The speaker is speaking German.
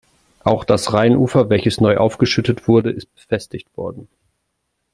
Auch das Rheinufer, welches neu aufgeschüttet wurde, ist befestigt worden.